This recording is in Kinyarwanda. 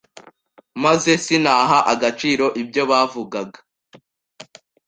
maze sinaha agaciro ibyo bavugaga